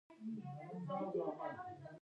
که نړۍ ورسره همکاري وکړي.